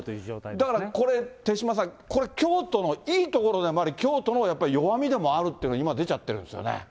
だからこれ、手嶋さん、これ、京都のいいところでもあり、京都のやっぱり弱みでもあるというのが今、出ちゃってるんですよ